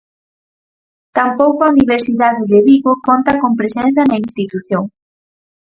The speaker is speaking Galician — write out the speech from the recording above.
Tampouco a Universidade de Vigo conta con presenza na institución.